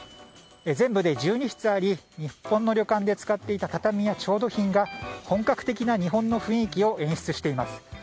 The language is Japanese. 全部で１２室あり、日本の旅館で使っていた畳や調度品が本格的な日本の雰囲気を演出しています。